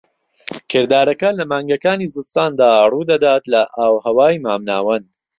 کردارەکە لە مانگەکانی زستاندا ڕوودەدات لە ئاوهەوای مامناوەند.